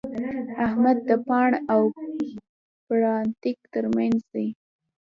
احمد د پاڼ او پړانګ تر منځ دی.